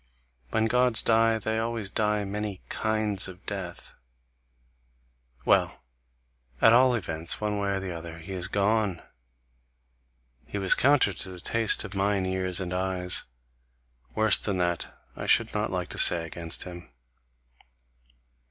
When Gods die they always die many kinds of death. Well! At all events, one way or other he is gone! He was counter to the taste of mine ears and eyes; worse than that I should not like to say against him.